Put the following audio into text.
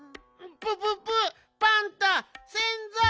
プププパンタせんざい！